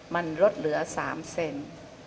มันลดเหลือ๓เซน